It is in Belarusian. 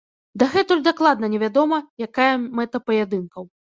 Дагэтуль дакладна невядома, якая мэта паядынкаў.